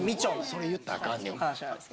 それ言ったらアカンねん。